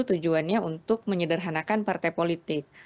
tujuannya untuk menyederhanakan partai politik